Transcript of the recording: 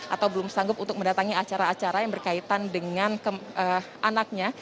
atau belum sanggup untuk mendatangi acara acara yang berkaitan dengan anaknya